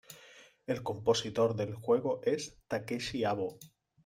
El compositor del juego es Takeshi Abo.